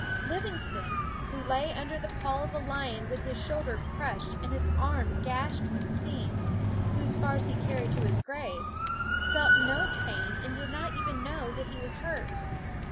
Livingstone, who lay under the paw of a lion with his shoulder crushed and his arm gashed with seams whose scars he carried to his grave, felt no pain and did not even know that he was ffie vmalsDie 9 SCHOOL OF hurt.